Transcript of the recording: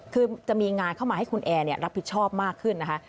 คือจะมีงานเข้ามาให้คุณแอร์รับผิดชอบมากขึ้นนะคะ